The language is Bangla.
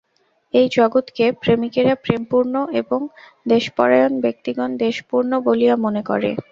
এই জগৎকে প্রেমিকেরা প্রেমপূর্ণ এবং দ্বেষপরায়ণ ব্যক্তিগণ দ্বেষপূর্ণ বলিয়া মনে করে।